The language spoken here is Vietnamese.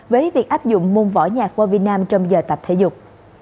với việc áp dụng môn võ nhạc qua việt nam trong giờ tập thể dục